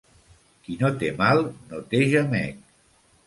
Qui no té mal, no té gemec.